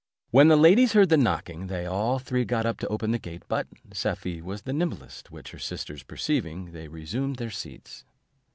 When the ladies heard the knocking, they all three got up to open the gate; but Safie was the nimblest; which her sisters perceiving, they resumed their seats.